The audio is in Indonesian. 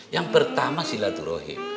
yang pertama silaturahim